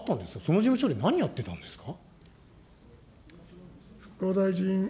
その事務所で何をやってたんですか。